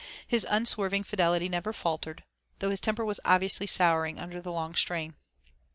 His unswerving fidelity never faltered, though his temper was obviously souring under the long strain.